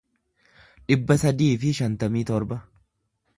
dhibba sadii fi shantamii torba